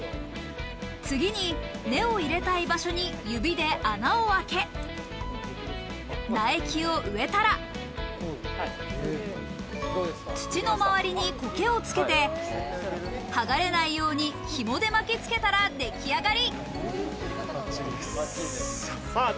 次に根を入れたい場所に指で穴を開け、苗木を植えたら、土の周りに苔をつけて剥がれないように紐で巻きつけたら出来上がり。